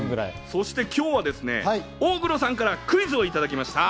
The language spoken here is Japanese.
そして今日は大黒さんからクイズをいただきました。